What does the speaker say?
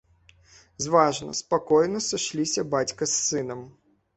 Зважна, спакойна сышліся бацька з сынам.